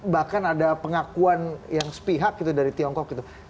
bahkan ada pengakuan yang sepihak gitu dari tiongkok gitu